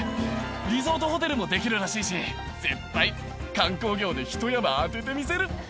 リゾートホテルも出来るらしいし、絶対観光業で一山当ててみせる。